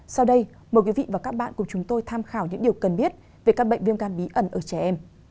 sau đây mời quý vị và các bạn cùng chúng tôi tham khảo những điều cần biết về các bệnh viêm gan bí ẩn ở trẻ em